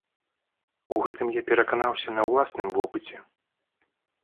У гэтым я пераканаўся на ўласным вопыце.